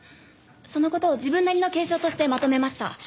その事を自分なりの警鐘としてまとめました。